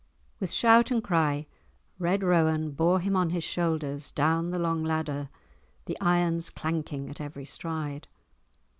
With shout and cry Red Rowan bore him on his shoulders down the long ladder, the irons clanking at every stride.